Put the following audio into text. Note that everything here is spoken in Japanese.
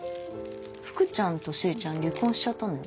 福ちゃんとしーちゃん離婚しちゃったんだよ。